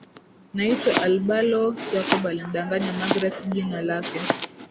Naitwa Albalo Jacob alimdanganya magreth jina lake